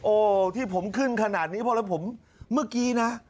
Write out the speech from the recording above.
ที่ผมขึ้นขนาดนี้เพราะแล้วผมเมื่อกี้นะ